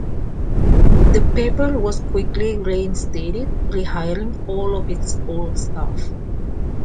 The paper was quickly reinstated, rehiring all of its old staff.